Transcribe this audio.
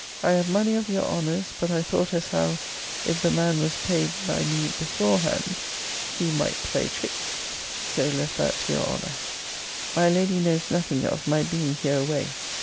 I have munny of youre Honner's; but I thought as how, if the man was payed by me beforend, he mought play trix; so left that to your Honner. My lady knows nothing of my being hereaway.